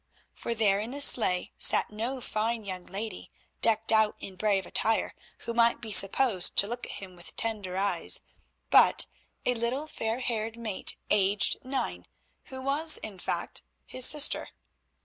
For there in the sleigh sat no fine young lady, decked out in brave attire, who might be supposed to look at him with tender eyes, but a little fair haired mate aged nine, who was in fact his sister.